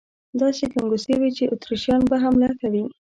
داسې ګنګوسې وې چې اتریشیان به حمله کوي.